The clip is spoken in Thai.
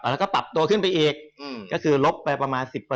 แล้วก็ปรับตัวขึ้นไปอีกก็คือลบไปประมาณ๑๐